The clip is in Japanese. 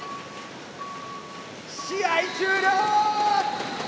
試合終了！